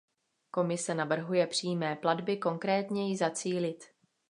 Komise navrhuje přímé platby konkrétněji zacílit.